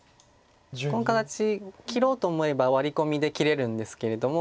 この形切ろうと思えばワリコミで切れるんですけれども。